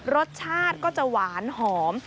รสชาติก็จะหวานหอม